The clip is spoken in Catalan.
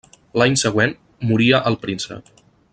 L'any següent moria el príncep.